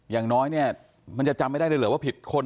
อย่างน้อยเนี่ยมันจะจำไม่ได้เลยเหรอว่าผิดคน